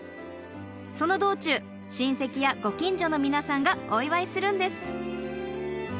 その道中親戚やご近所の皆さんがお祝いするんです。